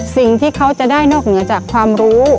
สิ่งที่เขาจะได้นอกเหนือจากความรู้